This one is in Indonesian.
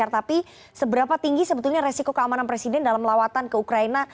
tapi seberapa tinggi sebetulnya resiko keamanan presiden dalam lawatan ke ukraina